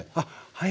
はい。